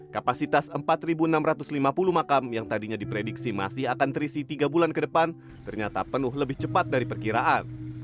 kapasitas empat enam ratus lima puluh makam yang tadinya diprediksi masih akan terisi tiga bulan ke depan ternyata penuh lebih cepat dari perkiraan